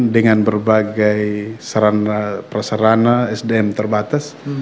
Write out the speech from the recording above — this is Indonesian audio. dengan berbagai serana praserana sdm terbatas